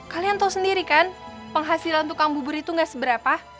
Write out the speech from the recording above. kalian tahu sendiri kan penghasilan tukang bubur itu gak seberapa